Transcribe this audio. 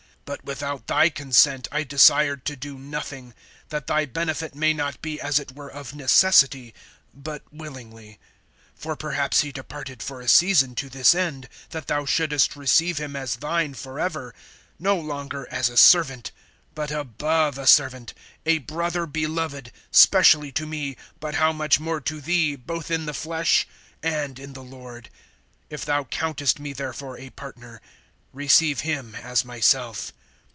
(14)But without thy consent I desired to do nothing; that thy benefit may not be as it were of necessity, but willingly. (15)For perhaps he departed for a season to this end, that thou shouldest receive him as thine forever; (16)no longer as a servant, but above a servant, a brother beloved, specially to me, but how much more to thee, both in the flesh, and in the Lord! (17)If thou countest me therefore a partner, receive him as myself.